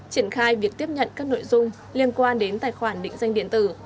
triển khai việc tiếp nhận các nội dung liên quan đến tài khoản định danh điện tử